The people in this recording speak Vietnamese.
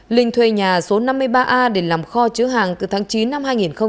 linh thuê nhà số năm mươi ba a để làm kho chứa hàng từ tháng chín năm hai nghìn hai mươi ba